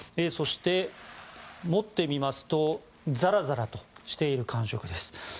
そして、持ってみますとザラザラしている感触です。